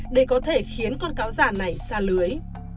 đây có thể khiến con cáo giả này xa lưới